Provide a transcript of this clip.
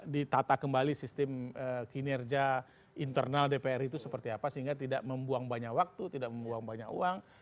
ditata kembali sistem kinerja internal dpr itu seperti apa sehingga tidak membuang banyak waktu tidak membuang banyak uang